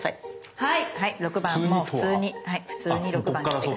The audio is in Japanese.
はい。